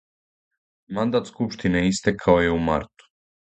Мандат скупштине истекао је у марту.